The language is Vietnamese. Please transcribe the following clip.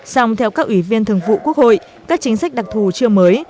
song theo các ủy viên thường vụ quốc hội các chính sách đặc thù chưa mới